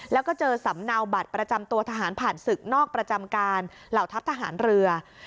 แล้วก็เจอสำเนาบัตรประจำตัวทหารผ่านศึกนอกประจำการเหล่าทัพทหารเรือ